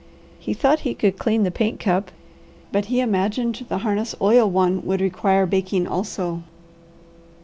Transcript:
He thought he could clean the paint cup, but he imagined the harness oil one would require baking also.